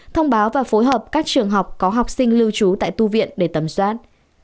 thông báo và phối hợp các trường học có học sinh lưu trú tại tu viện để tầm soát